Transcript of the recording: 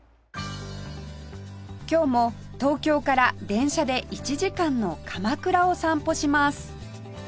今日も東京から電車で１時間の鎌倉を散歩します